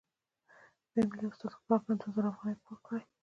بیا مې له استاد خپلواک نه دوه زره افغانۍ پور کړې.